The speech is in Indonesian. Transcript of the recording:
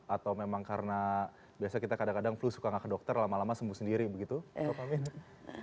atau memang karena biasa kita kadang kadang flu suka gak ke dokter lama lama sembuh sendiri begitu prof amin